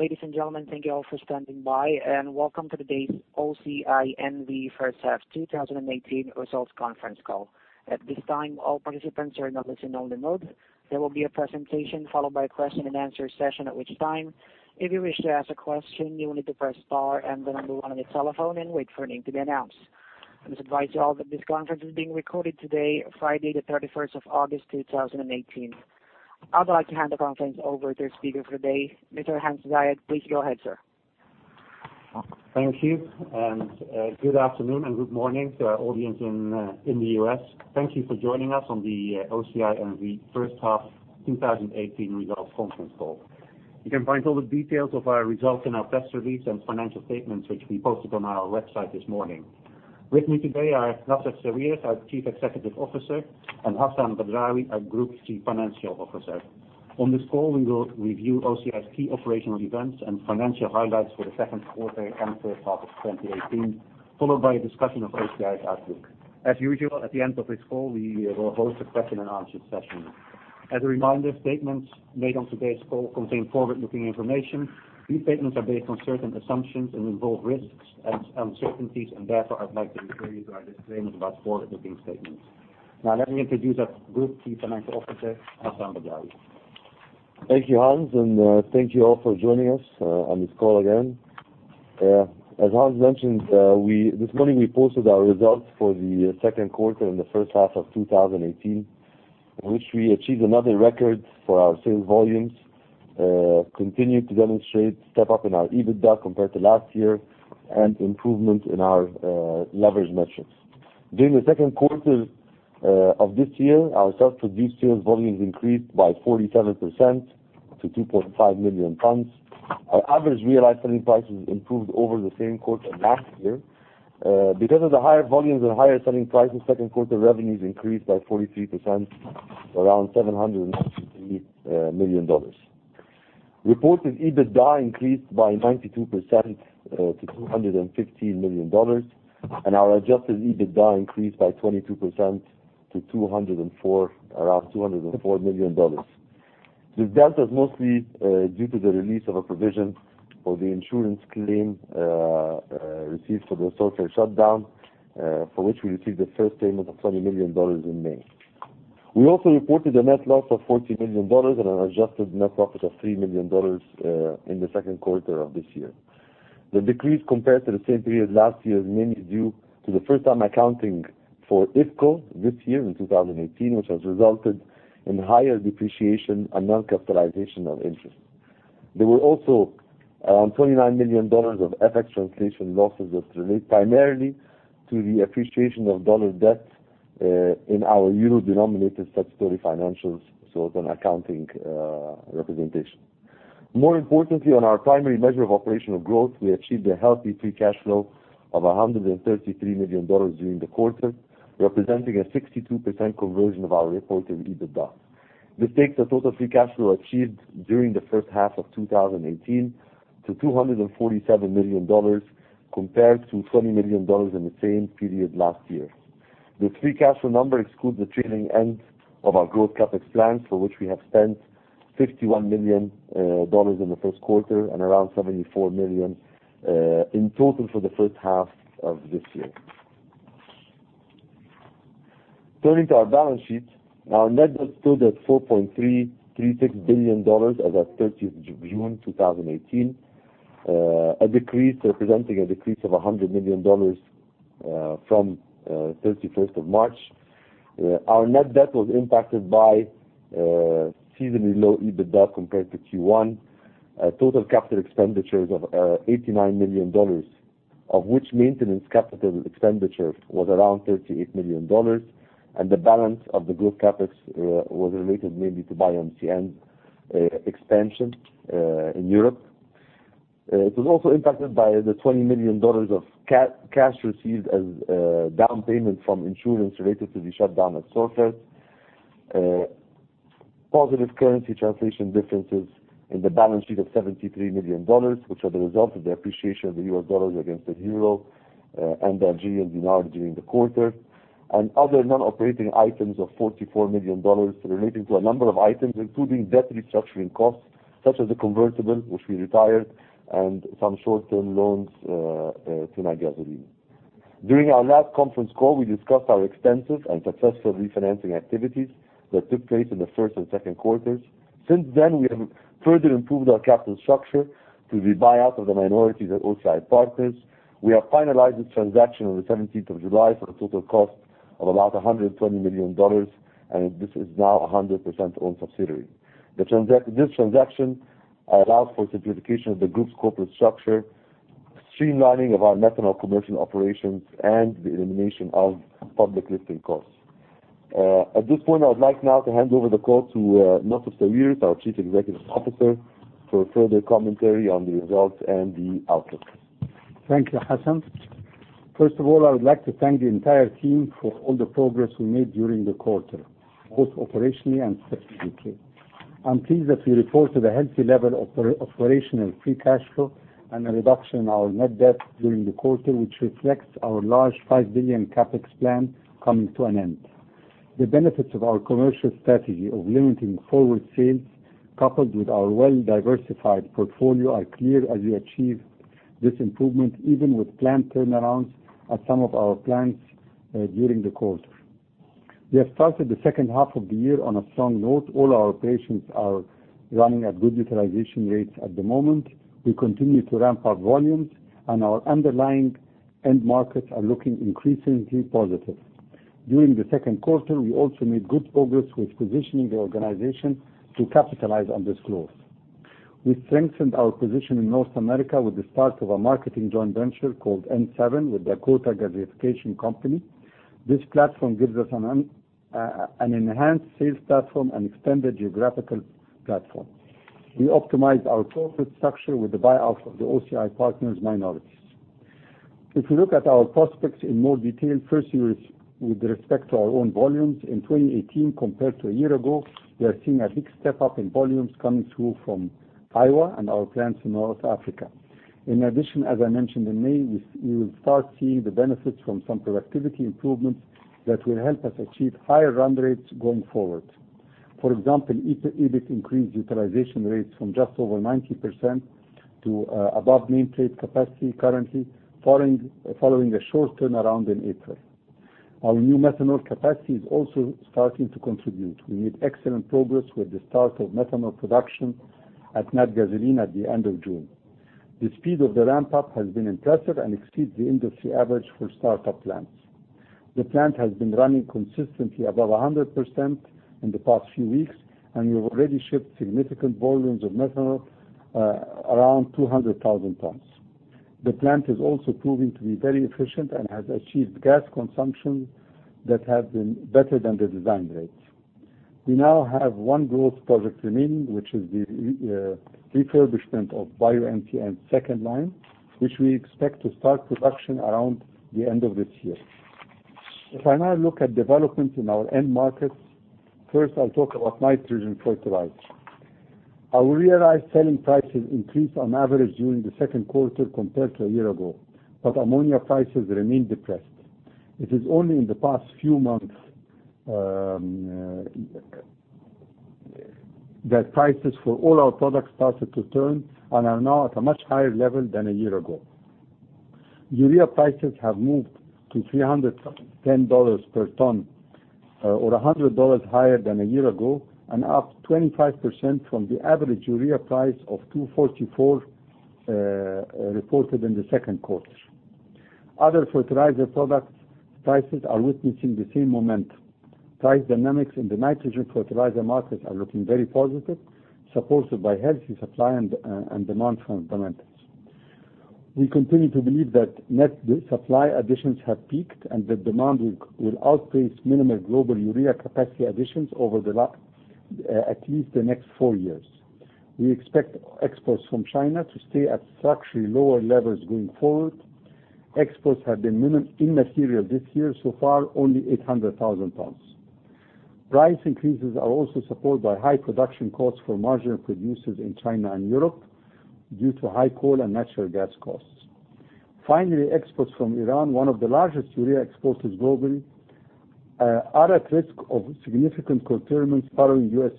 Ladies and gentlemen, thank you all for standing by, and welcome to today's OCI N.V. First Half 2018 Results Conference Call. At this time, all participants are now listening on the mode. There will be a presentation followed by a question-and-answer session, at which time, if you wish to ask a question, you will need to press star and the number one on your telephone and wait for your name to be announced. I must advise you all that this conference is being recorded today, Friday the 31st of August, 2018. I'd like to hand the conference over to the speaker for today, Mr. Hans Zayed. Please go ahead, sir. Thank you. Good afternoon and good morning to our audience in the U.S. Thank you for joining us on the OCI N.V. First Half 2018 Results Conference Call. You can find all the details of our results in our press release and financial statements, which we posted on our website this morning. With me today are Nassef Sawiris, our Chief Executive Officer, and Hassan Badrawi, our Group Chief Financial Officer. On this call, we will review OCI's key operational events and financial highlights for the second quarter and first half of 2018, followed by a discussion of OCI's outlook. As usual, at the end of this call, we will host a question-and-answer session. As a reminder, statements made on today's call contain forward-looking information. These statements are based on certain assumptions and involve risks and uncertainties, and therefore, I'd like to refer you to our disclaimer about forward-looking statements. Let me introduce our Group Chief Financial Officer, Hassan Badrawi. Thank you, Hans, and thank you all for joining us on this call again. As Hans mentioned, this morning we posted our results for the second quarter and the first half of 2018, in which we achieved another record for our sales volumes, continued to demonstrate a step up in our EBITDA compared to last year, and improvement in our leverage metrics. During the second quarter of this year, our self-produced sales volumes increased by 47% to 2.5 million tons. Our average realized selling prices improved over the same quarter last year. Because of the higher volumes and higher selling prices, second quarter revenues increased by 43% to around $763 million. Reported EBITDA increased by 92% to $215 million, and our adjusted EBITDA increased by 22% to around $204 million. This delta is mostly due to the release of a provision for the insurance claim received for the Sorfert shutdown, for which we received the first payment of $20 million in May. We also reported a net loss of $14 million and an adjusted net profit of $3 million in the second quarter of this year. The decrease compared to the same period last year is mainly due to the first time accounting for IFCo this year in 2018, which has resulted in higher depreciation and non-capitalization of interest. There were also around $29 million of FX translation losses that relate primarily to the appreciation of dollar debt in our euro-denominated statutory financials, it's an accounting representation. More importantly, on our primary measure of operational growth, we achieved a healthy free cash flow of $133 million during the quarter, representing a 62% conversion of our reported EBITDA. This takes the total free cash flow achieved during the first half of 2018 to $247 million, compared to $20 million in the same period last year. The free cash flow number excludes the trailing end of our growth CapEx plans, for which we have spent $51 million in the first quarter and around $74 million in total for the first half of this year. Turning to our balance sheet, our net debt stood at $4.336 billion as at 30th June 2018, representing a decrease of $100 million from 31st of March. Our net debt was impacted by seasonally low EBITDA compared to Q1, total capital expenditures of $89 million, of which maintenance capital expenditure was around $38 million, and the balance of the growth CapEx was related mainly to BioMCN expansion in Europe. It was also impacted by the $20 million of cash received as a down payment from insurance related to the shutdown at Sorfert. Positive currency translation differences in the balance sheet of $73 million, which are the result of the appreciation of the US dollar against the euro and the Algerian dinar during the quarter. Other non-operating items of $44 million relating to a number of items, including debt restructuring costs, such as the convertible, which we retired, and some short-term loans to Natgasoline. During our last conference call, we discussed our extensive and successful refinancing activities that took place in the first and second quarters. Since then, we have further improved our capital structure through the buyout of the minority at OCI Partners. We have finalized this transaction on the 17th of July for a total cost of about $120 million, and this is now a 100% owned subsidiary. This transaction allows for simplification of the group's corporate structure, streamlining of our methanol commercial operations, and the elimination of public listing costs. At this point, I would like now to hand over the call to Nassef Sawiris, our Chief Executive Officer, for further commentary on the results and the outlook. Thank you, Hassan. First of all, I would like to thank the entire team for all the progress we made during the quarter, both operationally and strategically. I'm pleased that we reported a healthy level of operational free cash flow and a reduction in our net debt during the quarter, which reflects our large $5 billion CapEx plan coming to an end. The benefits of our commercial strategy of limiting forward sales, coupled with our well-diversified portfolio, are clear as we achieve this improvement even with planned turnarounds at some of our plants during the quarter. We have started the second half of the year on a strong note. All our plants are running at good utilization rates at the moment. We continue to ramp up volumes, and our underlying end markets are looking increasingly positive. During the second quarter, we also made good progress with positioning the organization to capitalize on this growth. We strengthened our position in North America with the start of a marketing joint venture called N-7 with Dakota Gasification Company. This platform gives us an enhanced sales platform and extended geographical platform. We optimized our corporate structure with the buyout of the OCI Partners' minorities. If you look at our prospects in more detail, first with respect to our own volumes, in 2018 compared to a year ago, we are seeing a big step-up in volumes coming through from Iowa and our plants in North Africa. In addition, as I mentioned in May, we will start seeing the benefits from some productivity improvements that will help us achieve higher run rates going forward. For example, EBIC increased utilization rates from just over 90% to above nameplate capacity currently, following a short turnaround in April. Our new methanol capacity is also starting to contribute. We made excellent progress with the start of methanol production at Natgasoline at the end of June. The speed of the ramp-up has been impressive and exceeds the industry average for start-up plants. The plant has been running consistently above 100% in the past few weeks, and we have already shipped significant volumes of methanol, around 200,000 tons. The plant is also proving to be very efficient and has achieved gas consumption that has been better than the design rates. We now have one growth project remaining, which is the refurbishment of BioMCN's second line, which we expect to start production around the end of this year. If I now look at developments in our end markets, first, I'll talk about nitrogen fertilizer. Our realized selling prices increased on average during the second quarter compared to a year ago, but ammonia prices remained depressed. It is only in the past few months that prices for all our products started to turn and are now at a much higher level than a year ago. Urea prices have moved to $310 per ton, or $100 higher than a year ago, and up 25% from the average urea price of $244 reported in the second quarter. Other fertilizer product prices are witnessing the same momentum. Price dynamics in the nitrogen fertilizer markets are looking very positive, supported by healthy supply and demand fundamentals. We continue to believe that net supply additions have peaked and the demand will outpace minimal global urea capacity additions over at least the next four years. We expect exports from China to stay at structurally lower levels going forward. Exports have been immaterial this year, so far, only 800,000 tons. Price increases are also supported by high production costs for marginal producers in China and Europe due to high coal and natural gas costs. Exports from Iran, one of the largest urea exporters globally, are at risk of significant curtailments following U.S.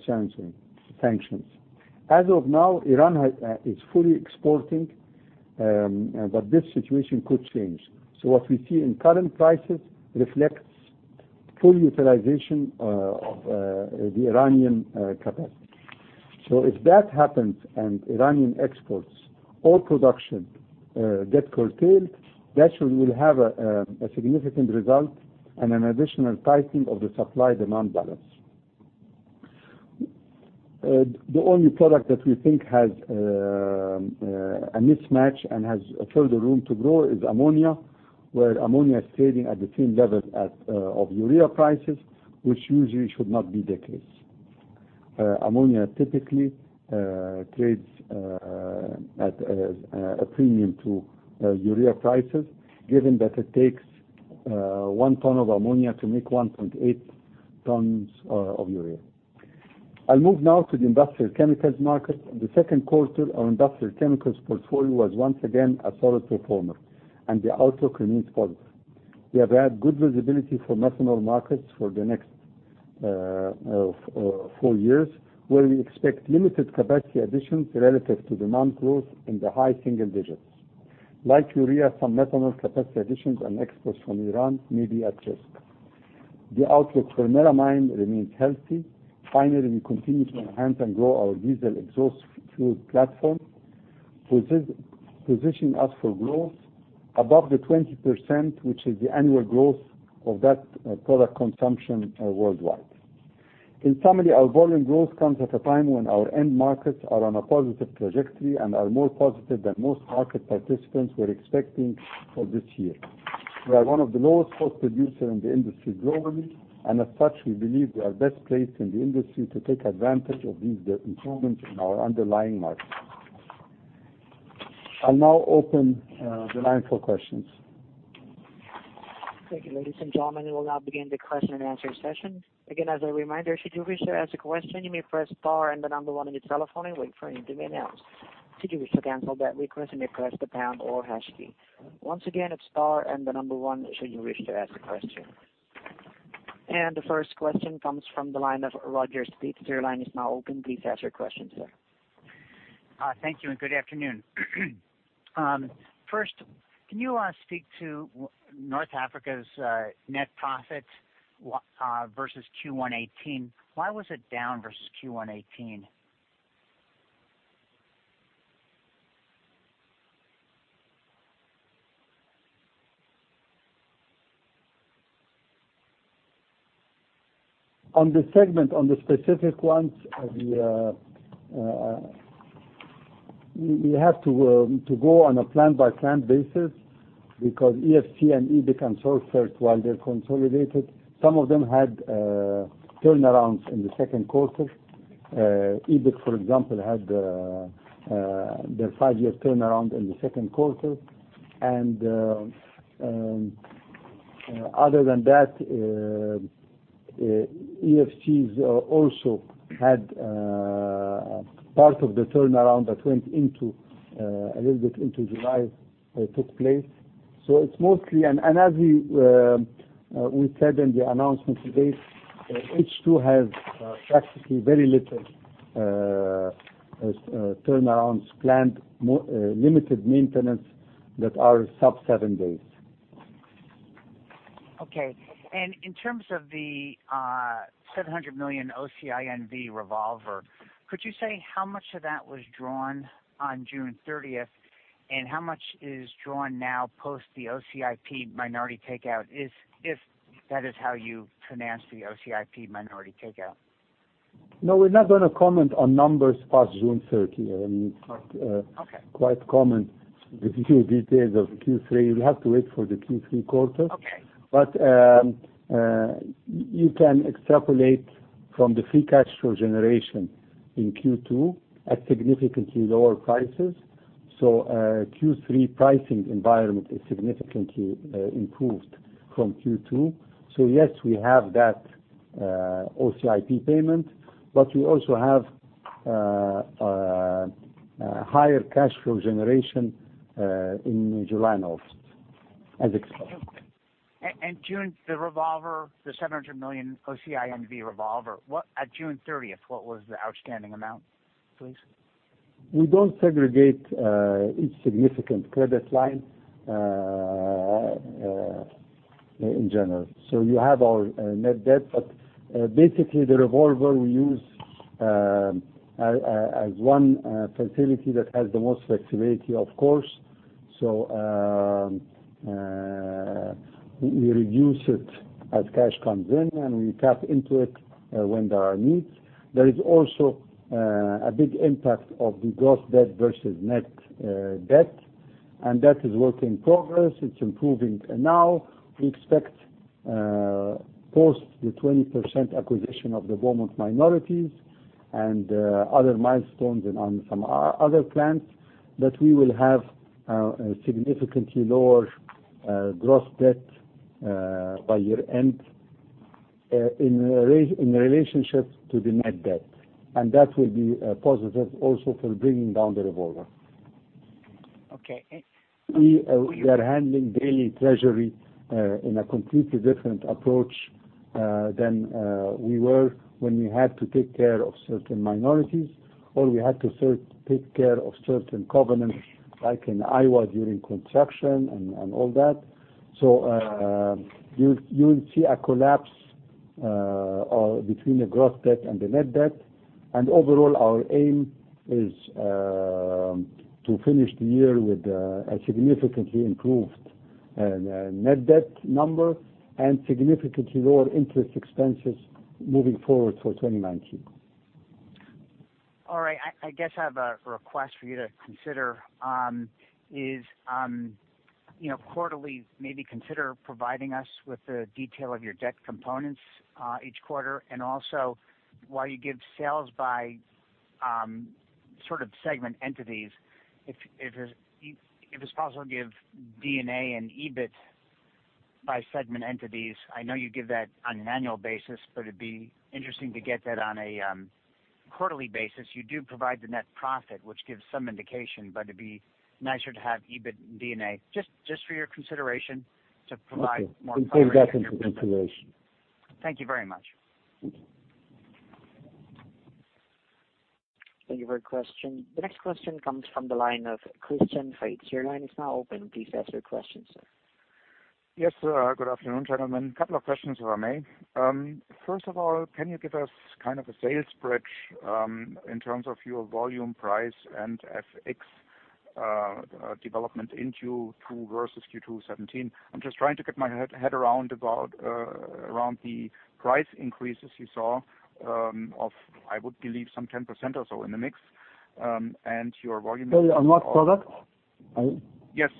sanctions. As of now, Iran is fully exporting, but this situation could change. What we see in current prices reflects full utilization of the Iranian capacity. If that happens, and Iranian exports or production get curtailed, that will have a significant result and an additional tightening of the supply-demand balance. The only product that we think has a mismatch and has further room to grow is ammonia, where ammonia is trading at the same levels of urea prices, which usually should not be the case. Ammonia typically trades at a premium to urea prices, given that it takes one ton of ammonia to make 1.8 tons of urea. I'll move now to the industrial chemicals market. In the second quarter, our industrial chemicals portfolio was once again a solid performer, and the outlook remains positive. We have had good visibility for methanol markets for the next four years, where we expect limited capacity additions relative to demand growth in the high single digits. Like urea, some methanol capacity additions and exports from Iran may be at risk. The outlook for melamine remains healthy. We continue to enhance and grow our diesel exhaust fluid platform, positioning us for growth above the 20%, which is the annual growth of that product consumption worldwide. In summary, our volume growth comes at a time when our end markets are on a positive trajectory and are more positive than most market participants were expecting for this year. We are one of the lowest-cost producers in the industry globally, and as such, we believe we are best placed in the industry to take advantage of these improvements in our underlying markets. I'll now open the line for questions. Thank you, ladies and gentlemen. We will now begin the question and answer session. Again, as a reminder, should you wish to ask a question, you may press star and the number 1 on your telephone and wait for your name to be announced. If you wish to cancel that request, may press the pound or hash key. Once again, it's star and the number 1 should you wish to ask a question. The first question comes from the line of Roger Seip. Your line is now open. Please ask your question, sir. Thank you, and good afternoon. First, can you speak to North Africa's net profit versus Q1 2018? Why was it down versus Q1 2018? On the segment, on the specific ones, we have to go on a plant-by-plant basis because EFC and EBIC and Sorfert, while they are consolidated, some of them had turnarounds in the second quarter. EBIC, for example, had their 5-year turnaround in the second quarter. Other than that, EFC also had part of the turnaround that went a little bit into July, took place. It's mostly. As we said in the announcement today, H2 has practically very little turnarounds planned, limited maintenance that are sub 7 days. Okay. In terms of the $700 million OCI N.V. revolver, could you say how much of that was drawn on June 30th? How much is drawn now post the OCIP minority takeout, if that is how you financed the OCIP minority takeout? No, we're not going to comment on numbers past June 30. Okay. I mean, it's quite common with the few details of Q3. You'll have to wait for the Q3 quarter. Okay. You can extrapolate from the free cash flow generation in Q2 at significantly lower prices. Q3 pricing environment is significantly improved from Q2. Yes, we have that OCIP payment, but we also have higher cash flow generation in July and August as expected. June, the revolver, the 700 million OCI N.V. revolver. At June 30th, what was the outstanding amount, please? We don't segregate each significant credit line in general. You have our net debt. Basically, the revolver we use as one facility that has the most flexibility, of course. We reduce it as cash comes in, and we tap into it when there are needs. There is also a big impact of the gross debt versus net debt. That is work in progress. It's improving now. We expect post the 20% acquisition of the Beaumont minorities and other milestones and on some other plants, that we will have a significantly lower gross debt by year-end in relationship to the net debt. That will be positive also for bringing down the revolver. Okay. We are handling daily treasury in a completely different approach than we were when we had to take care of certain minorities, or we had to take care of certain covenants, like in Iowa during construction and all that. You will see a collapse between the gross debt and the net debt. Overall, our aim is to finish the year with a significantly improved net debt number and significantly lower interest expenses moving forward for 2019. All right. I guess I have a request for you to consider is, quarterly, maybe consider providing us with the detail of your debt components each quarter. Also, while you give sales by sort of segment entities, if it's possible, give D&A and EBIT by segment entities. I know you give that on an annual basis, but it'd be interesting to get that on a quarterly basis. You do provide the net profit, which gives some indication, but it'd be nicer to have EBIT and D&A. Just for your consideration to provide more color. Okay. We'll take that into consideration. Thank you very much. Thank you for your question. The next question comes from the line of Christian Faitz. Your line is now open. Please ask your question, sir. Yes. Good afternoon, gentlemen. A couple of questions, if I may. First of all, can you give us kind of a sales bridge in terms of your volume, price, and FX development in Q2 versus Q2 2017? I am just trying to get my head around the price increases you saw of, I would believe, some 10% or so in the mix. Sorry, on what product? Yes.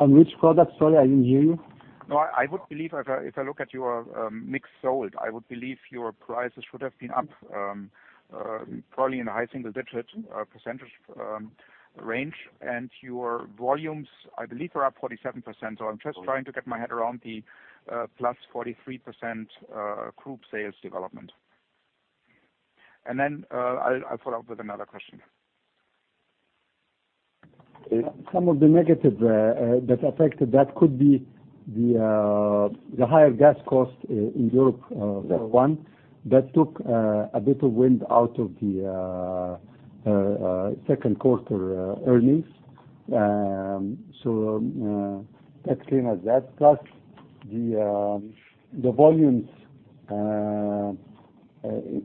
On which product? Sorry, I didn't hear you. If I look at your mix sold, I would believe your prices should have been up probably in the high single-digit % range. Your volumes, I believe, are up 47%, so I'm just trying to get my head around the plus 43% group sales development. I'll follow up with another question. Some of the negative that affected that could be the higher gas cost in Europe, for one. That took a bit of wind out of the second quarter earnings. Let's clean as that. The volumes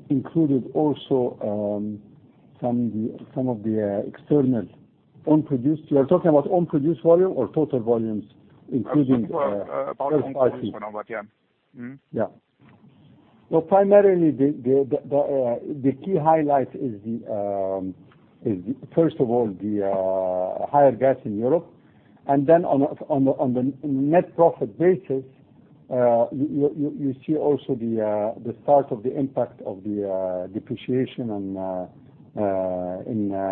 included also some of the external own produced. You are talking about own produced volume or total volumes including. About own produced for now yeah. Primarily, the key highlight is first of all, the higher gas in Europe, and then on the net profit basis, you see also the start of the impact of the depreciation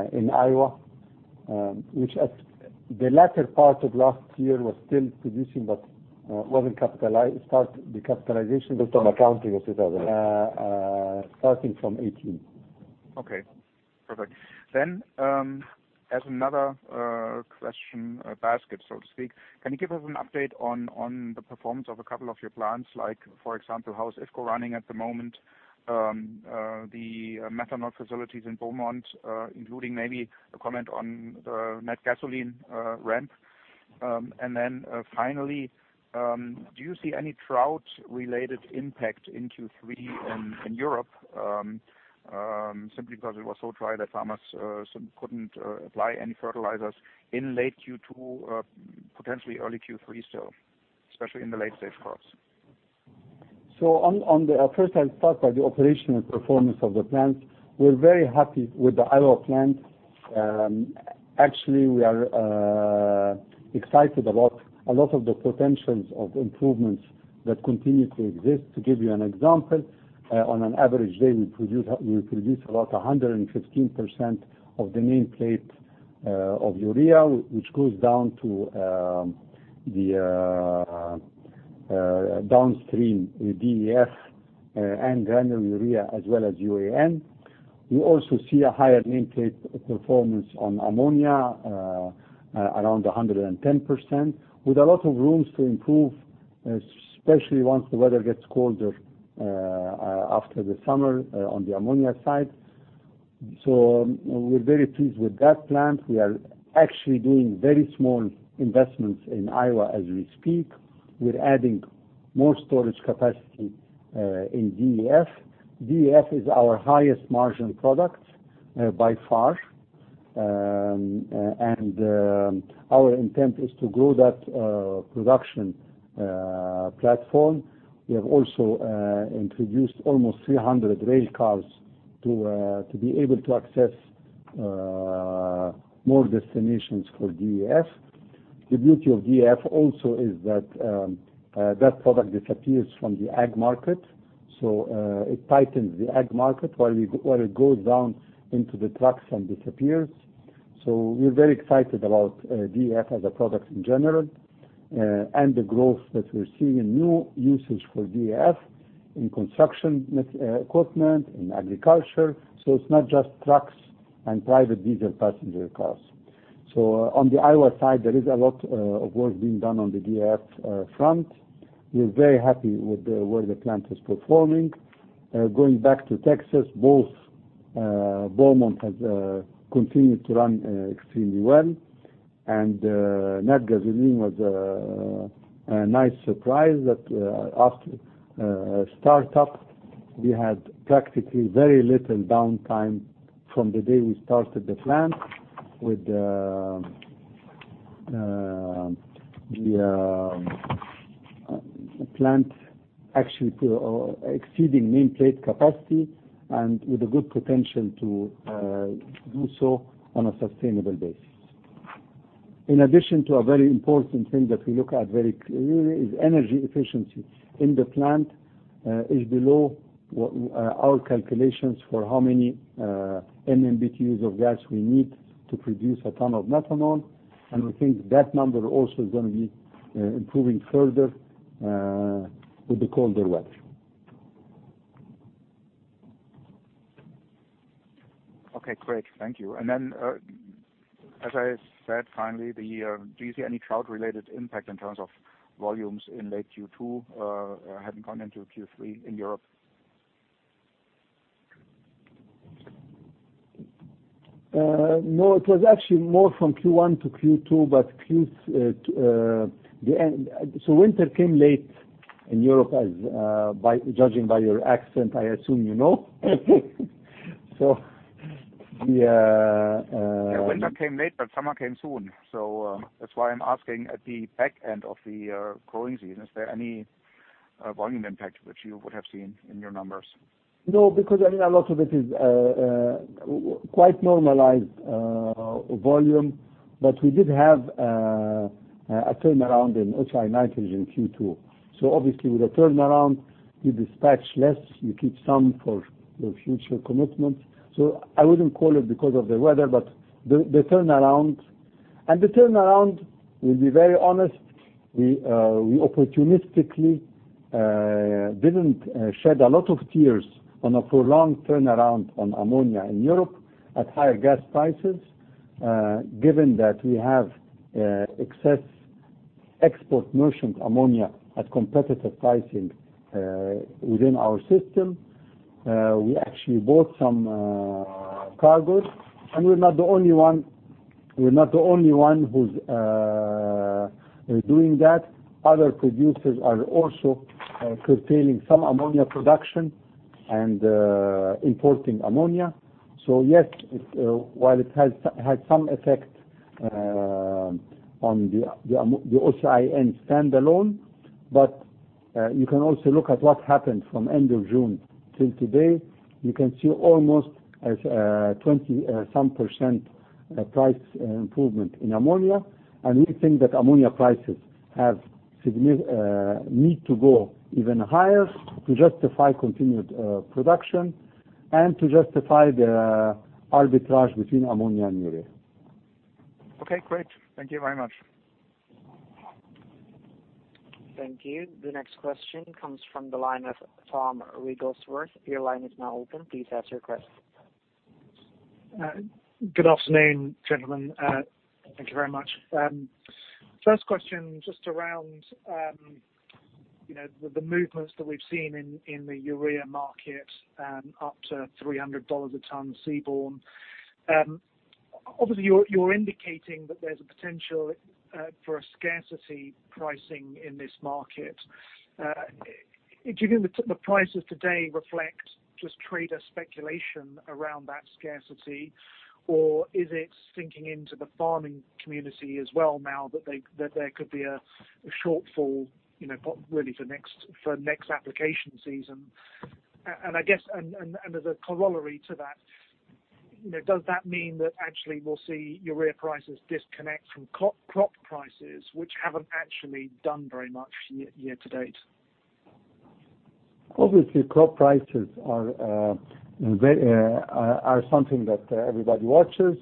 in Iowa, which at the latter part of last year was still producing but wasn't capitalized. Just on accounting, et cetera starting from 2018. Perfect. As another question basket, so to speak, can you give us an update on the performance of a couple of your plants? For example, how's IFCo running at the moment? The methanol facilities in Beaumont, including maybe a comment on Natgasoline ramp. And then, finally, do you see any drought related impact in Q3 in Europe? Simply because it was so dry that farmers couldn't apply any fertilizers in late Q2, potentially early Q3 still, especially in the late stage crops. On the first hand start by the operational performance of the plants. We're very happy with the Iowa plant. Actually, we are excited about a lot of the potentials of improvements that continue to exist. To give you an example, on an average day, we produce about 115% of the nameplate of urea, which goes down to the downstream DEF and granular urea as well as UAN. We also see a higher nameplate performance on ammonia, around 110%, with a lot of rooms to improve, especially once the weather gets colder after the summer on the ammonia side. We're very pleased with that plant. We are actually doing very small investments in Iowa as we speak. We're adding more storage capacity in DEF. DEF is our highest margin product by far. Our intent is to grow that production platform. We have also introduced almost 300 rail cars to be able to access more destinations for DEF. The beauty of DEF also is that product disappears from the ag market. It tightens the ag market while it goes down into the trucks and disappears. We're very excited about DEF as a product in general, and the growth that we're seeing in new usage for DEF in construction equipment, in agriculture. It's not just trucks and private diesel passenger cars. On the Iowa side, there is a lot of work being done on the DEF front. We're very happy with the way the plant is performing. Going back to Texas, both Beaumont has continued to run extremely well, and Natgasoline was a nice surprise that after startup, we had practically very little downtime from the day we started the plant. With the plant actually exceeding nameplate capacity and with a good potential to do so on a sustainable basis. In addition to a very important thing that we look at very clearly is energy efficiency in the plant, is below our calculations for how many MMBtus of gas we need to produce a ton of methanol, and we think that number also is going to be improving further with the colder weather. Okay, great. Thank you. Then, as I said, finally, do you see any drought related impact in terms of volumes in late Q2 having gone into Q3 in Europe? No, it was actually more from Q1 to Q2. Winter came late in Europe, judging by your accent, I assume you know. Yeah, winter came late, summer came soon. That's why I'm asking at the back end of the growing season, is there any volume impact which you would have seen in your numbers? No, because a lot of it is quite normalized volume. We did have a turnaround in OCI Nitrogen in Q2. Obviously with a turnaround, you dispatch less, you keep some for your future commitments. I wouldn't call it because of the weather, but the turnaround. We'll be very honest. We opportunistically didn't shed a lot of tears on a prolonged turnaround on ammonia in Europe at higher gas prices, given that we have excess export merchant ammonia at competitive pricing within our system. We actually bought some cargos, and we're not the only one who's doing that. Other producers are also curtailing some ammonia production and importing ammonia. Yes, while it had some effect on the OCI N stand-alone, but you can also look at what happened from end of June till today. You can see almost a 20% price improvement in ammonia. We think that ammonia prices need to go even higher to justify continued production and to justify the arbitrage between ammonia and urea. Okay, great. Thank you very much. Thank you. The next question comes from the line of Tom Wigglesworth. Your line is now open. Please ask your question. Good afternoon, gentlemen. Thank you very much. First question, just around the movements that we've seen in the urea market up to $300 a ton seaborne. Obviously, you're indicating that there's a potential for a scarcity pricing in this market. Do you think the prices today reflect just trader speculation around that scarcity, or is it sinking into the farming community as well now that there could be a shortfall really for next application season? I guess, as a corollary to that, does that mean that actually we'll see urea prices disconnect from crop prices, which haven't actually done very much year to date? Obviously, crop prices are something that everybody watches,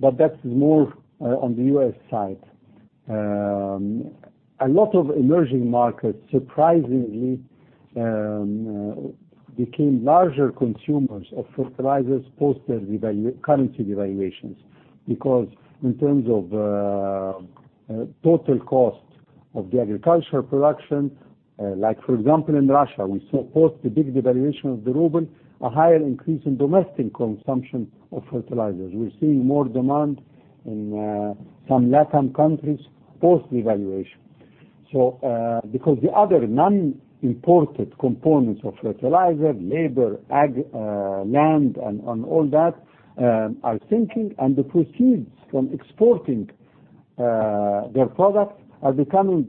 but that's more on the U.S. side. A lot of emerging markets surprisingly became larger consumers of fertilizers post their currency devaluations. In terms of total cost of the agricultural production, like for example in Russia, we saw post the big devaluation of the ruble, a higher increase in domestic consumption of fertilizers. We're seeing more demand in some LatAm countries post devaluation. The other non-imported components of fertilizer, labor, ag, land, and all that, are sinking, and the proceeds from exporting their products are becoming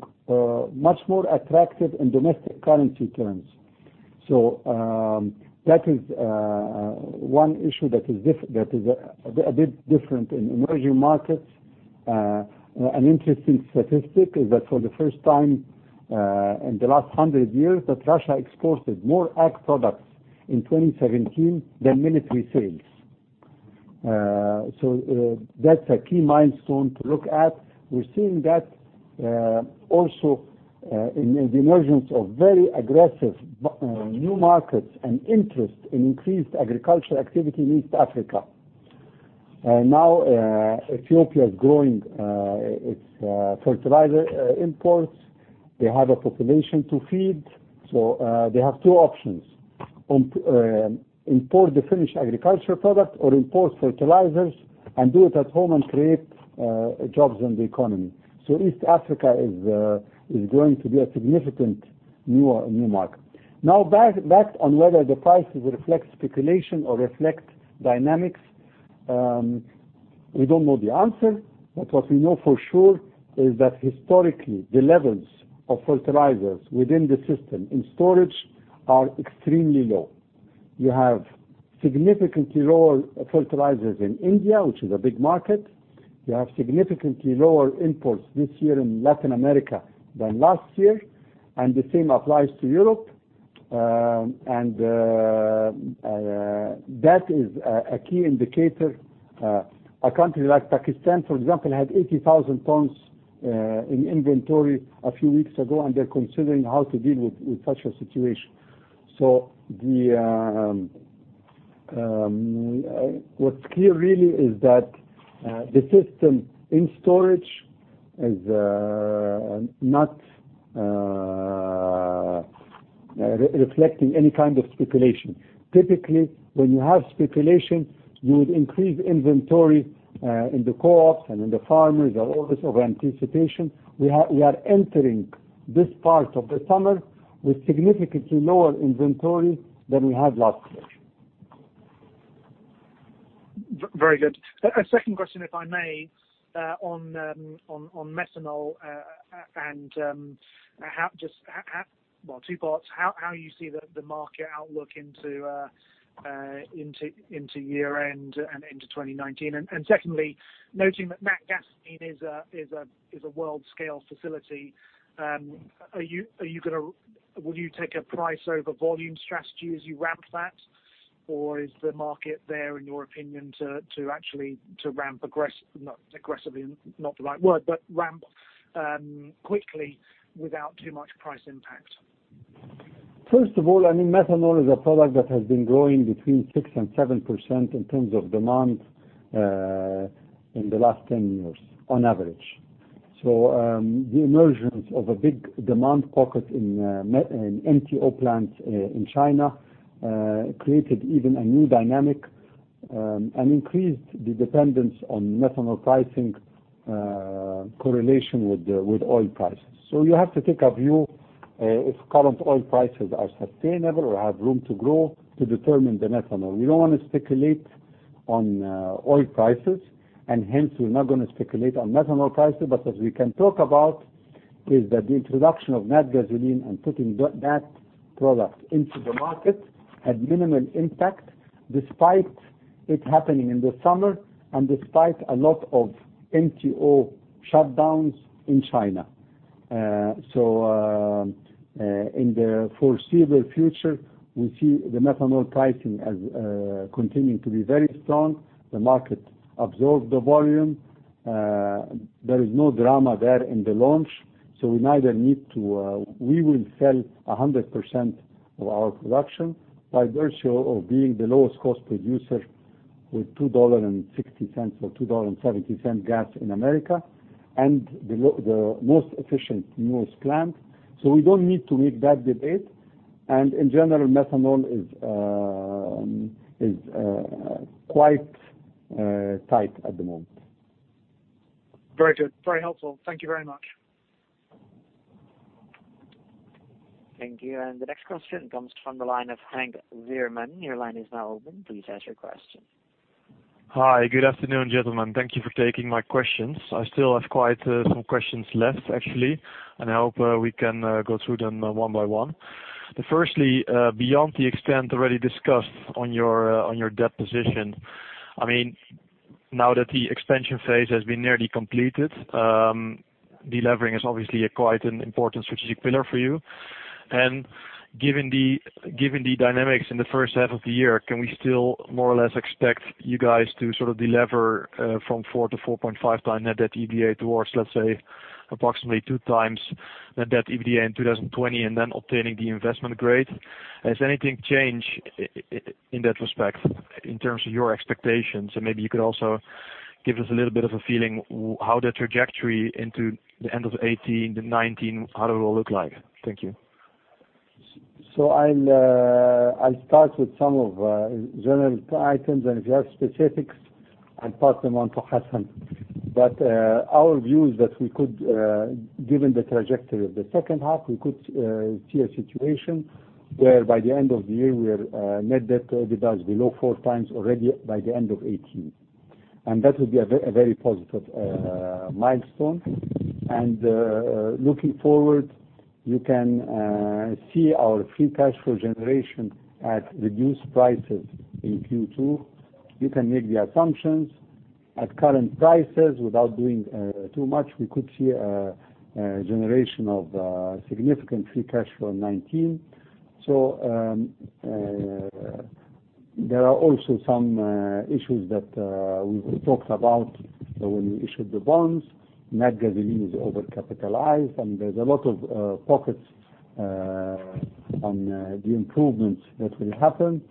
much more attractive in domestic currency terms. That is one issue that is a bit different in emerging markets. An interesting statistic is that for the first time in the last 100 years, that Russia exported more ag products in 2017 than military sales. That's a key milestone to look at. We're seeing that also in the emergence of very aggressive new markets and interest in increased agricultural activity in East Africa. Ethiopia is growing its fertilizer imports. They have a population to feed. They have two options, import the finished agricultural product or import fertilizers and do it at home and create jobs in the economy. East Africa is going to be a significant new market. Back on whether the prices reflect speculation or reflect dynamics, we don't know the answer. What we know for sure is that historically, the levels of fertilizers within the system in storage are extremely low. You have significantly lower fertilizers in India, which is a big market. You have significantly lower imports this year in Latin America than last year, and the same applies to Europe. That is a key indicator. A country like Pakistan, for example, had 80,000 tons in inventory a few weeks ago, and they're considering how to deal with such a situation. What's clear really is that the system in storage is not reflecting any kind of speculation. Typically, when you have speculation, you would increase inventory in the co-ops and in the farmers. There's always an anticipation. We are entering this part of the summer with significantly lower inventory than we had last year. Very good. A second question, if I may, on methanol. Well, two parts, how you see the market outlook into year-end and into 2019. Secondly, noting that Natgasoline is a world-scale facility, will you take a price over volume strategy as you ramp that? Or is the market there, in your opinion, to actually ramp, aggressively is not the right word, but ramp quickly without too much price impact? First of all, methanol is a product that has been growing between 6% and 7% in terms of demand in the last 10 years, on average. The emergence of a big demand pocket in MTO plants in China, created even a new dynamic, and increased the dependence on methanol pricing correlation with oil prices. You have to take a view if current oil prices are sustainable or have room to grow to determine the methanol. We don't want to speculate on oil prices, and hence we're not going to speculate on methanol prices. As we can talk about is that the introduction of Natgasoline and putting that product into the market had minimum impact, despite it happening in the summer and despite a lot of MTO shutdowns in China. In the foreseeable future, we see the methanol pricing as continuing to be very strong. The market absorbed the volume. There is no drama there in the launch. We will sell 100% of our production by virtue of being the lowest cost producer with $2.60 or $2.70 gas in America, and the most efficient, newest plant. We don't need to make that debate. In general, methanol is quite tight at the moment. Very good. Very helpful. Thank you very much. Thank you. The next question comes from the line of Hank Zierman. Your line is now open. Please ask your question. Hi. Good afternoon, gentlemen. Thank you for taking my questions. I still have quite some questions left, actually, I hope we can go through them one by one. Firstly, beyond the extent already discussed on your debt position. Now that the expansion phase has been nearly completed, delevering is obviously quite an important strategic pillar for you. Given the dynamics in the first half of the year, can we still more or less expect you guys to delever from 4 to 4.5 times net debt EBITDA towards, let's say, approximately 2 times net debt EBITDA in 2020 and then obtaining the investment grade? Has anything changed in that respect, in terms of your expectations? Maybe you could also give us a little bit of a feeling how the trajectory into the end of 2018 to 2019, how it will look like. Thank you. I'll start with some of general items, and if you have specifics, I'll pass them on to Hassan. Our view is that, given the trajectory of the second half, we could see a situation where by the end of the year, we are net debt EBITDA, below 4 times already by the end of 2018. That would be a very positive milestone. Looking forward, you can see our free cash flow generation at reduced prices in Q2. You can make the assumptions at current prices without doing too much. We could see a generation of significant free cash flow in 2019. There are also some issues that we talked about when we issued the bonds. Natgasoline is overcapitalized, and there's a lot of pockets on the improvements that will happen.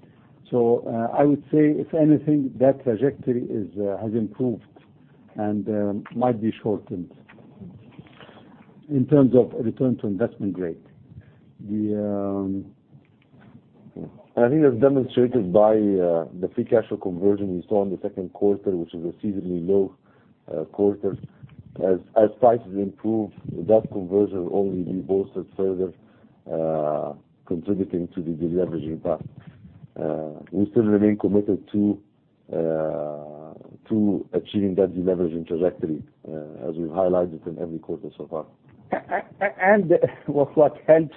I would say, if anything, that trajectory has improved and might be shortened in terms of return to investment grade. I think it was demonstrated by the free cash flow conversion we saw in the second quarter, which was a seasonally low quarter. As prices improve, that conversion will only be boosted further, contributing to the deleveraging path. We still remain committed to achieving that deleveraging trajectory, as we've highlighted in every quarter so far. What helps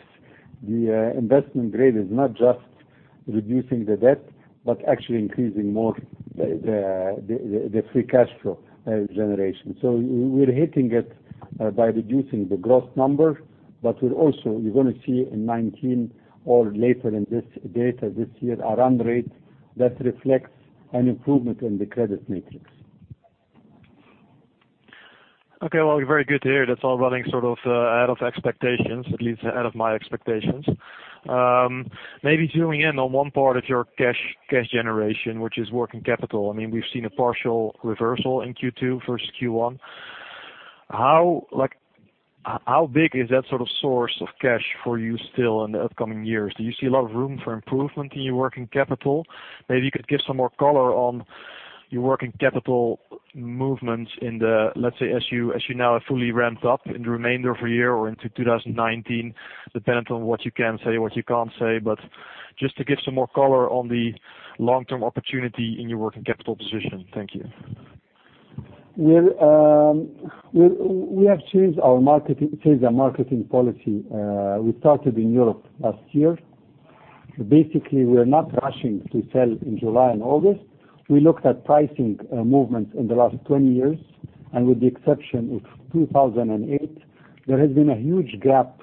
the investment grade is not just reducing the debt, but actually increasing more the free cash flow generation. We're hitting it by reducing the gross number, but you're going to see in 2019 or later in this data this year, a run rate that reflects an improvement in the credit matrix. Okay, well, very good to hear. That's all running out of expectations. At least out of my expectations. Maybe zeroing in on one part of your cash generation, which is working capital. We've seen a partial reversal in Q2 versus Q1. How big is that source of cash for you still in the upcoming years? Do you see a lot of room for improvement in your working capital? Maybe you could give some more color on your working capital movements in the, let's say, as you now have fully ramped up in the remainder of the year or into 2019, dependent on what you can say or what you can't say. Just to give some more color on the long-term opportunity in your working capital position. Thank you. We have changed our marketing policy. We started in Europe last year. Basically, we're not rushing to sell in July and August. We looked at pricing movements in the last 20 years, and with the exception of 2008, there has been a huge gap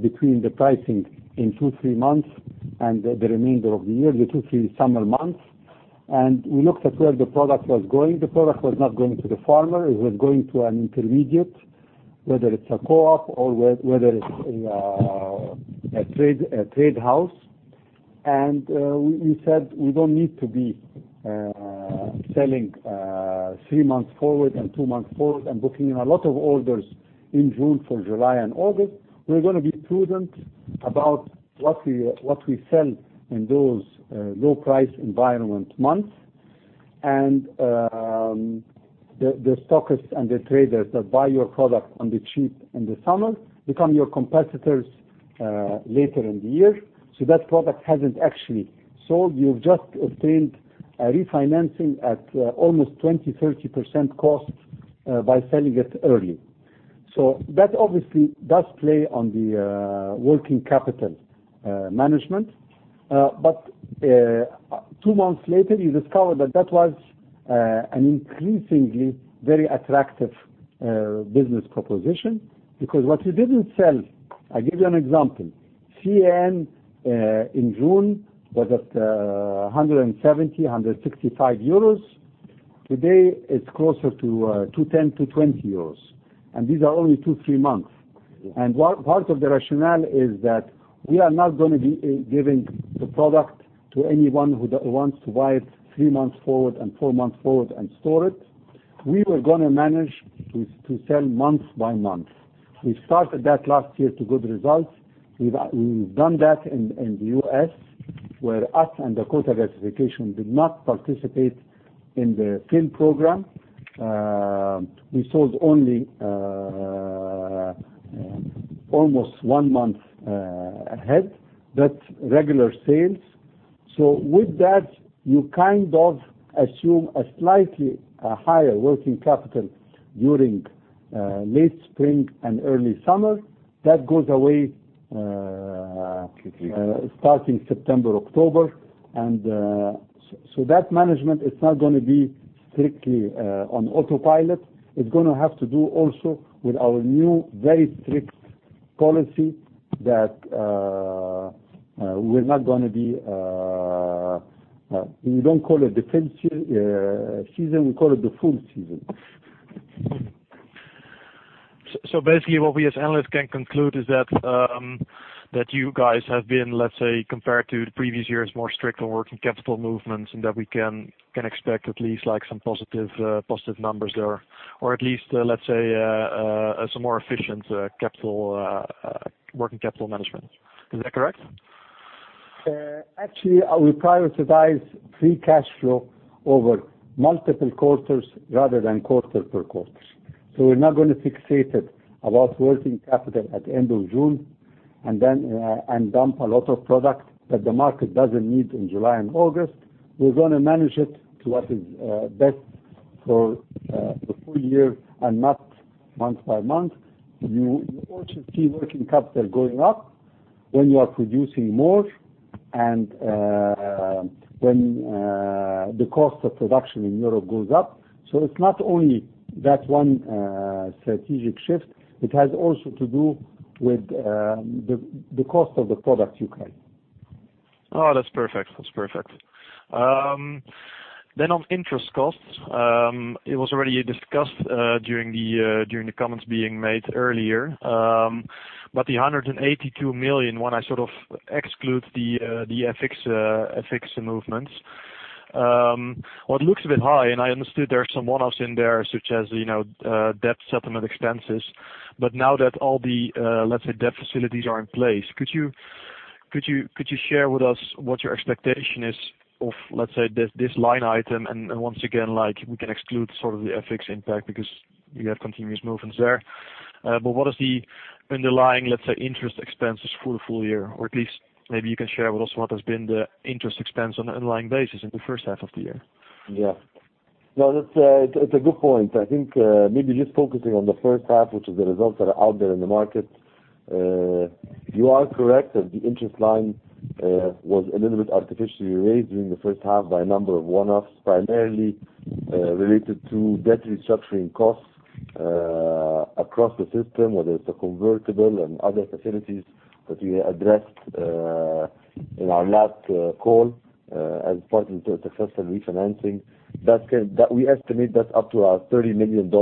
between the pricing in two, three months and the remainder of the year, the two, three summer months. We looked at where the product was going. The product was not going to the farmer. It was going to an intermediate, whether it's a co-op or whether it's a trade house. We said, "We don't need to be selling three months forward and two months forward and booking a lot of orders in June for July and August. We're going to be prudent about what we sell in those low-price environment months." The stockists and the traders that buy your product on the cheap in the summer become your competitors later in the year. That product hasn't actually sold. You've just obtained a refinancing at almost 20%-30% cost by selling it early. That obviously does play on the working capital management. Two months later, you discover that that was an increasingly very attractive business proposition because what you didn't sell, I give you an example. CAN in June was at 170, €165. Today, it's closer to €210, €220. These are only two, three months. Yeah. Part of the rationale is that we are not going to be giving the product to anyone who wants to buy it three months forward and four months forward, and store it. We were going to manage to sell month by month. We started that last year to good results. We've done that in the U.S., where us and Koch Fertilizer did not participate in the sale program. We sold only almost one month ahead. That's regular sales. With that, you kind of assume a slightly higher working capital during late spring and early summer. That goes away starting September, October. That management is not going to be strictly on autopilot. It's going to have to do also with our new, very strict policy that we're not going to be. We don't call it the thin season, we call it the full season. Basically what we as analysts can conclude is that you guys have been, let's say, compared to the previous years, more strict on working capital movements, and that we can expect at least some positive numbers there, or at least, let's say, some more efficient working capital management. Is that correct? Actually, we prioritize free cash flow over multiple quarters rather than quarter per quarter. We're not going to fixate it about working capital at the end of June and dump a lot of product that the market doesn't need in July and August. We're going to manage it to what is best for the full year and not month by month. You also see working capital going up when you are producing more and when the cost of production in Europe goes up. It's not only that one strategic shift. It has also to do with the cost of the products you carry. Oh, that's perfect. On interest costs, it was already discussed during the comments being made earlier. The $182 million one, I sort of exclude the FX movements. What looks a bit high, and I understood there are some one-offs in there, such as, debt settlement expenses. Now that all the, let's say, debt facilities are in place, could you share with us what your expectation is of, let's say, this line item? Once again, we can exclude sort of the FX impact because you have continuous movements there. What is the underlying, let's say, interest expenses for the full year? Or at least maybe you can share with us what has been the interest expense on an underlying basis in the first half of the year. Yeah. No, that's a good point. I think maybe just focusing on the first half, which is the results that are out there in the market. You are correct that the interest line was a little bit artificially raised during the first half by a number of one-offs, primarily related to debt restructuring costs across the system, whether it's a convertible and other facilities that we addressed in our last call as part of the successful refinancing. We estimate that up to $30 million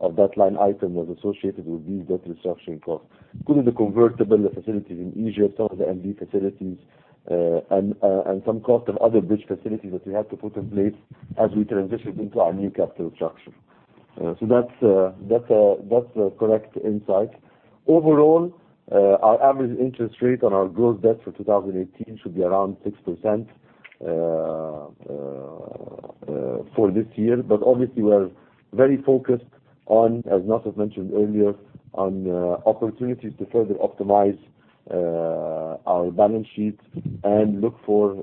of that line item was associated with these debt restructuring costs, including the convertible facilities in Egypt, some of the MD facilities, and some cost of other bridge facilities that we had to put in place as we transitioned into our new capital structure. That's the correct insight. Overall, our average interest rate on our gross debt for 2018 should be around 6% for this year. Obviously, we are very focused on, as Nassef mentioned earlier, on opportunities to further optimize our balance sheet and look for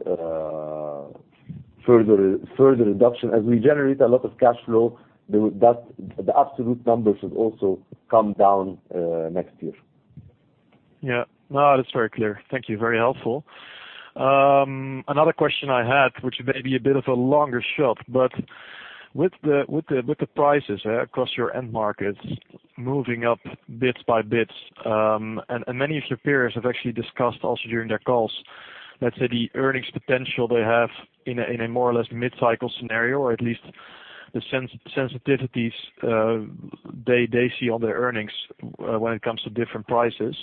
further reduction. As we generate a lot of cash flow, the absolute number should also come down next year. Yeah. No, that's very clear. Thank you. Very helpful. Another question I had, which may be a bit of a longer shot. With the prices across your end markets moving up bit by bit, many of your peers have actually discussed also during their calls, let's say, the earnings potential they have in a more or less mid-cycle scenario, or at least the sensitivities they see on their earnings when it comes to different prices.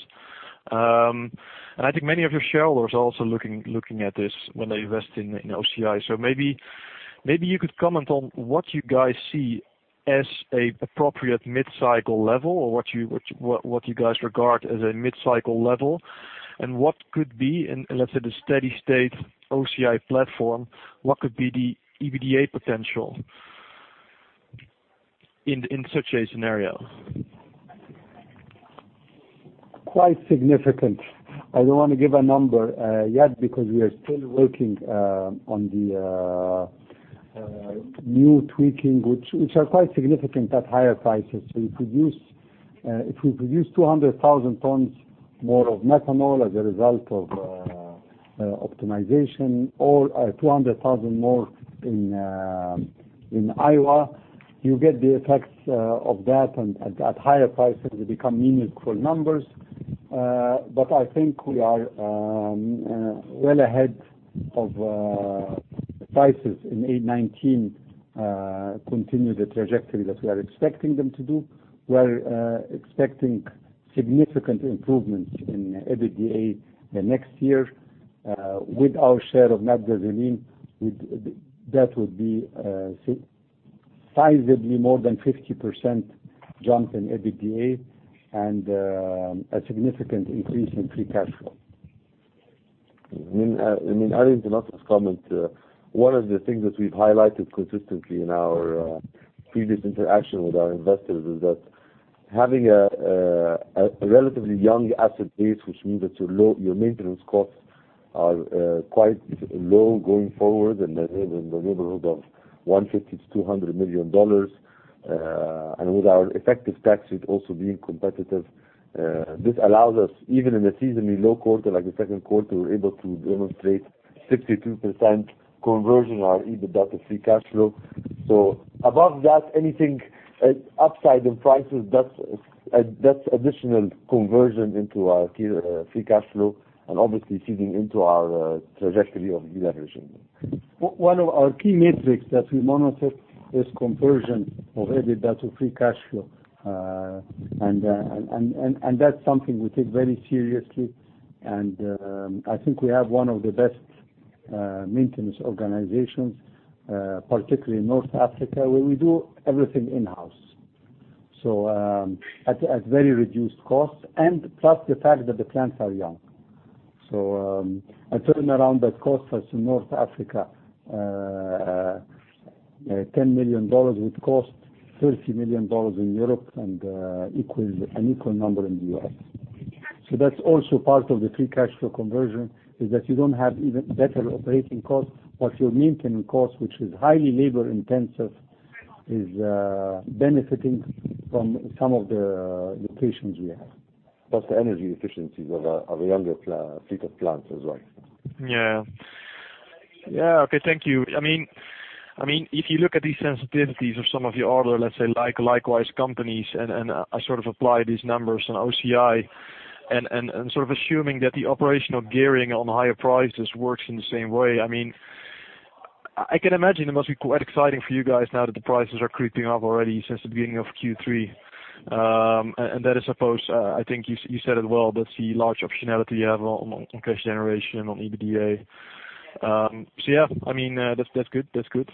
I think many of your shareholders are also looking at this when they invest in OCI. Maybe you could comment on what you guys see as an appropriate mid-cycle level, or what you guys regard as a mid-cycle level, and what could be in, let's say, the steady state OCI platform. What could be the EBITDA potential in such a scenario? Quite significant. I don't want to give a number yet because we are still working on the new tweaking, which are quite significant at higher prices. If we produce 200,000 tons more of methanol as a result of optimization or 200,000 more in Iowa, you get the effects of that, and at higher prices, they become meaningful numbers. I think we are well ahead of prices in A19 continuing the trajectory that we are expecting them to do. We're expecting significant improvements in EBITDA the next year. With our share of Sorfert Algérie, that would be sizably more than 50% jump in EBITDA and a significant increase in free cash flow. I mean, adding to Nassef's comment, one of the things that we've highlighted consistently in our previous interaction with our investors is that having a relatively young asset base, which means that your maintenance costs are quite low going forward and in the neighborhood of EUR 150 million-EUR 200 million. With our effective taxes also being competitive, this allows us, even in a seasonally low quarter like the second quarter, we were able to demonstrate 62% conversion of our EBITDA to free cash flow. Above that, anything upside in prices, that's additional conversion into our free cash flow and obviously feeding into our trajectory of deleveraging. One of our key metrics that we monitor is conversion of EBITDA to free cash flow. That's something we take very seriously, and I think we have one of the best maintenance organizations, particularly in North Africa, where we do everything in-house. At very reduced cost and plus the fact that the plants are young. A turnaround that costs us in North Africa, $10 million, would cost $30 million in Europe and an equal number in the U.S. That's also part of the free cash flow conversion, is that you don't have even better operating cost. What your maintenance cost, which is highly labor intensive, is benefiting from some of the locations we have. Plus the energy efficiencies of a younger fleet of plants as well. Yeah. Okay, thank you. If you look at these sensitivities of some of your other, let's say, likewise companies, I sort of apply these numbers on OCI and sort of assuming that the operational gearing on higher prices works in the same way. I can imagine it must be quite exciting for you guys now that the prices are creeping up already since the beginning of Q3. That is, I suppose, I think you said it well, that's the large optionality you have on cash generation, on EBITDA. Yeah, that's good.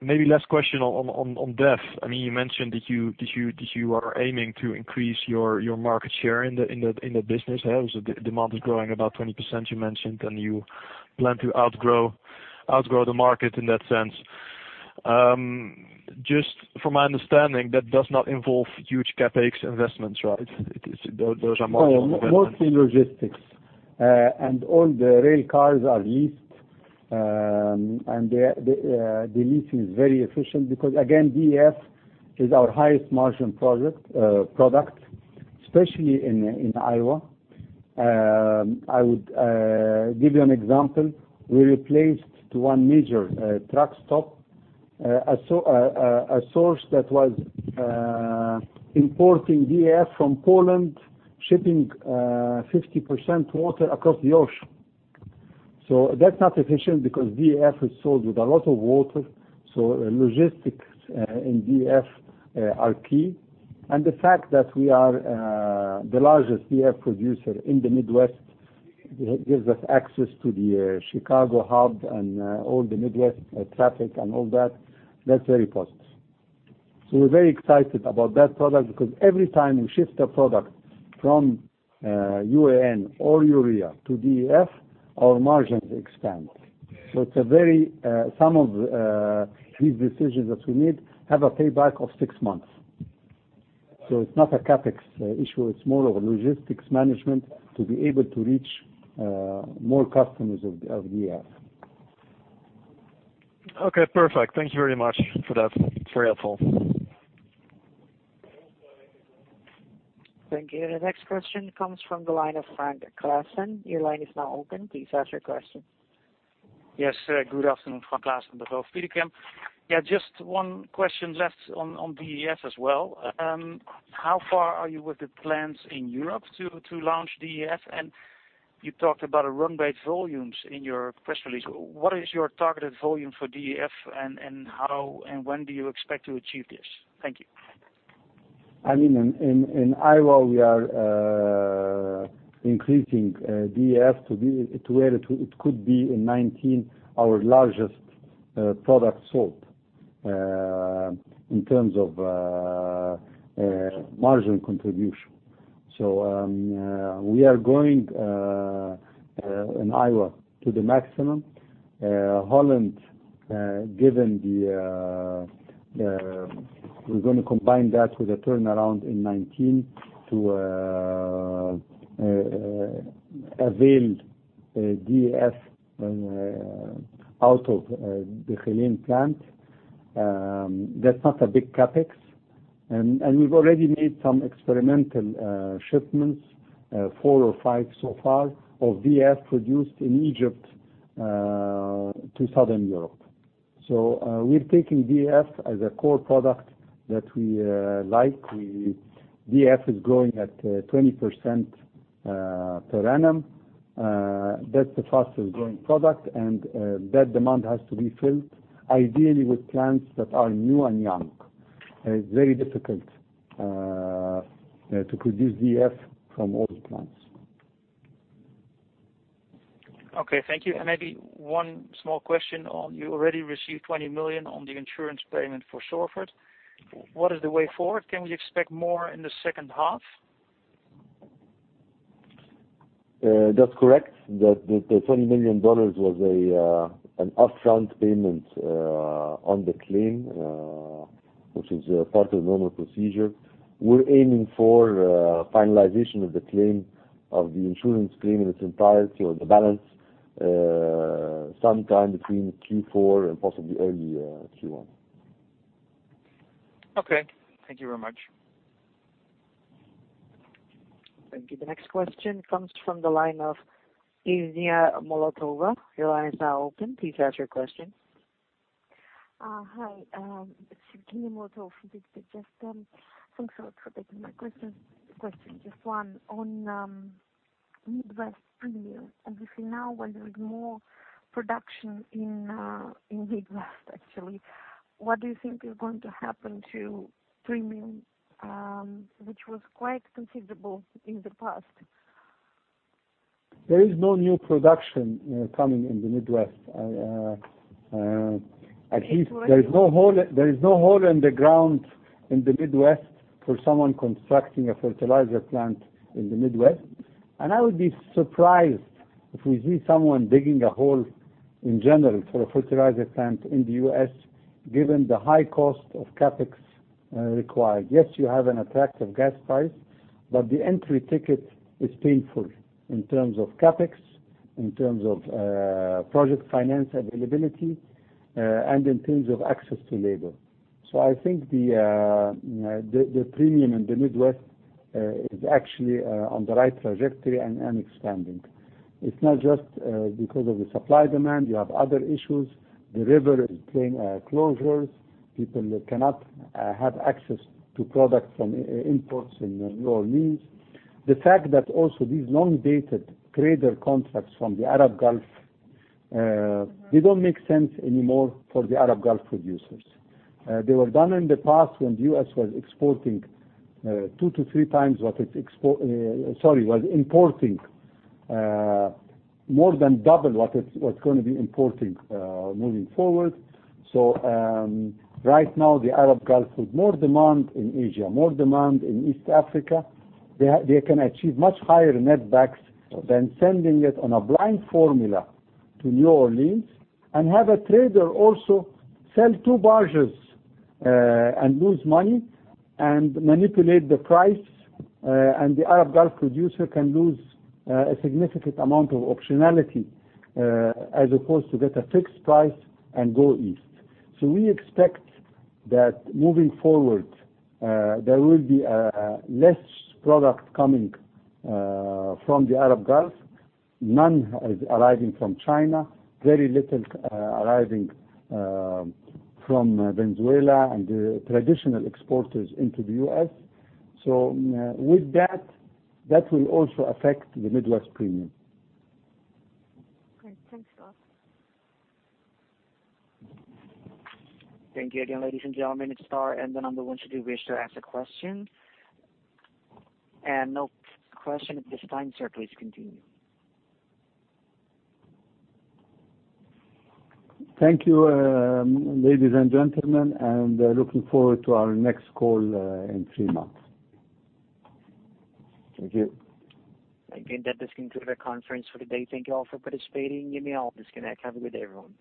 Maybe last question on DEF. You mentioned that you are aiming to increase your market share in the business. Demand is growing about 20% you mentioned, and you plan to outgrow the market in that sense. Just from my understanding, that does not involve huge CapEx investments, right? Those are marginal investments. Mostly logistics. All the rail cars are leased, and the leasing is very efficient because, again, DEF is our highest margin product, especially in Iowa. I would give you an example. We replaced one major truck stop, a source that was importing DEF from Poland, shipping 50% water across the ocean. That's not efficient because DEF is sold with a lot of water, so logistics in DEF are key. The fact that we are the largest DEF producer in the Midwest gives us access to the Chicago hub and all the Midwest traffic and all that. That's very positive. We're very excited about that product because every time we shift a product from UAN or urea to DEF, our margins expand. Some of these decisions that we made have a payback of six months. It's not a CapEx issue, it's more of a logistics management to be able to reach more customers of DEF. Okay, perfect. Thank you very much for that. It's very helpful. Thank you. The next question comes from the line of Franc Klaassen. Your line is now open. Please ask your question. Yes. Good afternoon, Franc Klaassen, Degroof Petercam. Just one question left on DEF as well. How far are you with the plans in Europe to launch DEF? You talked about run rate volumes in your press release. What is your targeted volume for DEF, and how and when do you expect to achieve this? Thank you. In Iowa, we are increasing DEF to where it could be, in 2019, our largest product sold in terms of margin contribution. We are going, in Iowa, to the maximum. Holland, we're going to combine that with a turnaround in 2019 to avail DEF out of the Geleen plant. That's not a big CapEx. We've already made some experimental shipments, four or five so far, of DEF produced in Egypt to Southern Europe. We're taking DEF as a core product that we like. DEF is growing at 20% per annum. That's the fastest-growing product, and that demand has to be filled, ideally with plants that are new and young. It's very difficult to produce DEF from old plants. Okay. Thank you. Maybe one small question on, you already received $20 million on the insurance payment for Sorfert. What is the way forward? Can we expect more in the second half? That's correct. The $20 million was an upfront payment on the claim, which is part of normal procedure. We're aiming for finalization of the insurance claim in its entirety, or the balance, sometime between Q4 and possibly early Q1. Okay. Thank you very much. Thank you. The next question comes from the line of Evgenia Molotova. Your line is now open. Please ask your question. Hi, it's Evgenia Molotova. Thanks a lot for taking my question. Just one on Midwest premium. Obviously, now where there is more production in Midwest, actually, what do you think is going to happen to premium, which was quite considerable in the past? There is no new production coming in the Midwest. It was. There is no hole in the ground in the Midwest for someone constructing a fertilizer plant in the Midwest. I would be surprised if we see someone digging a hole, in general, for a fertilizer plant in the U.S., given the high cost of CapEx required. Yes, you have an attractive gas price, but the entry ticket is painful in terms of CapEx, in terms of project finance availability, and in terms of access to labor. I think the premium in the Midwest is actually on the right trajectory and expanding. It's not just because of the supply-demand. You have other issues. The river is seeing closures. People cannot have access to products from imports in New Orleans. The fact that also these long-dated trader contracts from the Arab Gulf, they don't make sense anymore for the Arab Gulf producers. They were done in the past when the U.S. was importing more than double what it was going to be importing moving forward. Right now, the Arab Gulf has more demand in Asia, more demand in East Africa. They can achieve much higher netbacks than sending it on a blind formula to New Orleans, and have a trader also sell two barges and lose money and manipulate the price, and the Arab Gulf producer can lose a significant amount of optionality, as opposed to get a fixed price and go east. We expect that moving forward, there will be less product coming from the Arab Gulf. None is arriving from China, very little arriving from Venezuela and the traditional exporters into the U.S. With that will also affect the Midwest premium. Great. Thanks a lot. Thank you again, ladies and gentlemen. It's star and the number 1 should you wish to ask a question. No question at this time, sir. Please continue. Thank you, ladies and gentlemen. Looking forward to our next call in three months. Thank you. Thank you. That does conclude our conference for the day. Thank you all for participating. You may all disconnect. Have a good day, everyone.